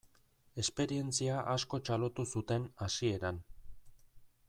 Esperientzia asko txalotu zuten hasieran.